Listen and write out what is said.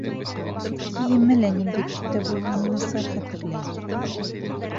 Кейеме лә ниндәй төҫтә булғанын насар хәтерләйем.